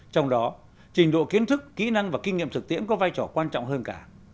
trong đó trình độ kiến thức kỹ năng và kinh nghiệm thực tiễn có vai trò quan trọng hơn cả